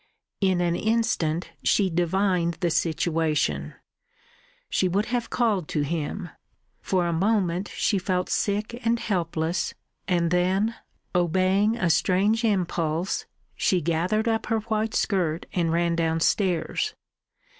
In an instant she divined the situation. She would have called to him. For a moment she felt sick and helpless, and then, obeying a strange impulse, she gathered up her white skirt and ran downstairs.